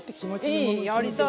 いい？やりたい！